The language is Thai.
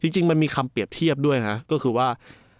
จริงมันมีคำเปรียบเทียบด้วยนะก็คือว่า